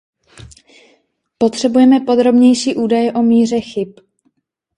Potřebujeme podrobnější údaje o míře chyb.